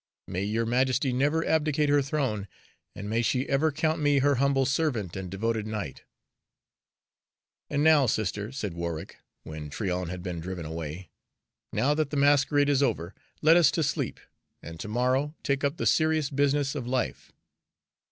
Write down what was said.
May your Majesty never abdicate her throne, and may she ever count me her humble servant and devoted knight." "And now, sister," said Warwick, when Tryon had been driven away, "now that the masquerade is over, let us to sleep, and to morrow take up the serious business of life.